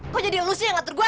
kok jadi lu sih yang ngatur gue